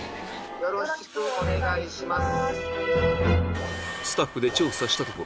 よろしくお願いします。